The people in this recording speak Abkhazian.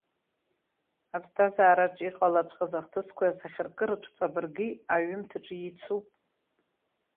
Аԥсҭазаараҿ иҟалаҵәҟьаз ахҭысқәеи асахьаркыратә ҵабырги аҩымҭаҿы иеицуп.